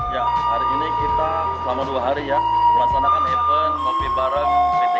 hari ini kita selama dua hari ya melaksanakan event kopi bareng pt ki